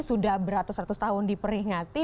sudah beratus ratus tahun diperingati